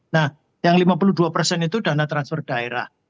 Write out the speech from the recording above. nah yang lima puluh dua persen itu dana transfer daerah